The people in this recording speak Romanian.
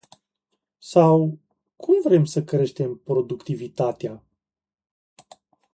Sau cum vrem să creștem productivitatea?